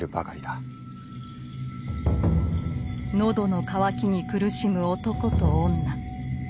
喉の渇きに苦しむ男と女。